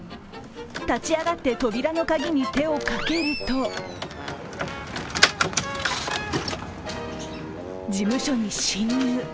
立ち上がって扉の鍵に手をかけると事務所に侵入。